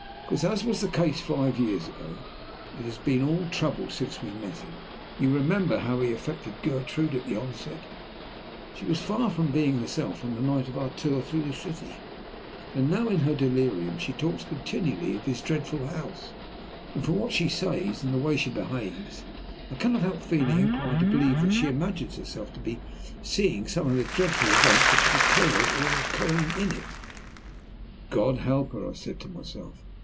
"Because, as was the case five years ago, it has been all trouble since we met him. You remember how he affected Gertrude at the outset. She was far from being herself on the night of our tour through the city, and now in her delirium she talks continually of his dreadful house, and from what she says, and the way she behaves, I cannot help feeling inclined to believe that she imagines herself to be seeing some of the dreadful events which have occurred or are occurring in it." "God help her," I said to myself.